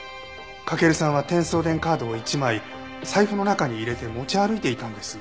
駆さんは『テンソーデン』カードを１枚財布の中に入れて持ち歩いていたんです。